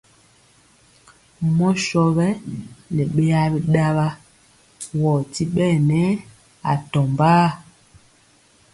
Mɔ sɔ wɛ nɛ beya biɗawa, wɔ ti ɓɛɛ nɛ atɔmbaa.